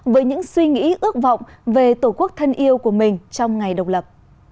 với những suy nghĩ ước vọng về tổ quốc thân yêu của mình trong ngày độc lập